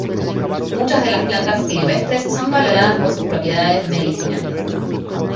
Muchas de las plantas silvestres son valoradas por sus propiedades medicinales.